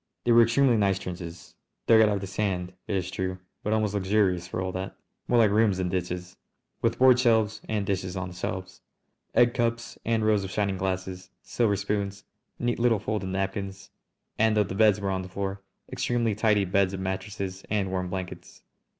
They were extremely nice trenches, dug out of the sand, it is true, but almost luxurious for all that, more like rooms than ditches, with board shelves and dishes on the shelves, egg cups and rows of shining glasses, silver spoons, neat little folded napkins, and, though the beds were on the floor, extremely tidy beds of mattresses and warm blankets.